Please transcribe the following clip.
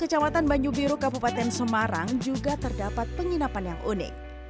kecamatan banyu biru kabupaten semarang juga terdapat penginapan yang unik